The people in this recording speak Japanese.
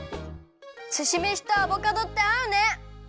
すしめしとアボカドってあうね！